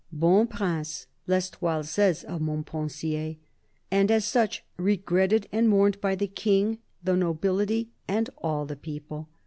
" Bon prince," I'Estoile says of Montpensier, " and as such regretted and mourned by the King, the nobility and all the people."